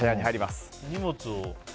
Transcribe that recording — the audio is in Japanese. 荷物を。